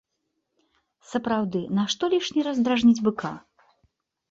Сапраўды, нашто лішні раз дражніць быка?